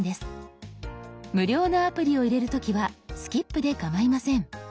無料のアプリを入れる時は「スキップ」でかまいません。